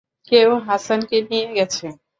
কেউ হাসানকে নিয়ে গেছে।